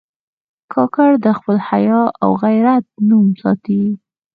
کاکړ د خپل حیا او غیرت نوم ساتي.